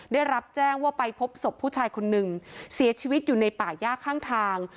ได้รับแจ้งว่าไปพบศพผู้ชายคนนึงเสียชีวิตอยู่ในป่าย่าข้างทาง